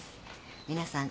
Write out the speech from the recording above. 皆さん。